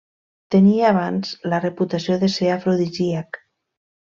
Tenia abans la reputació de ser afrodisíac.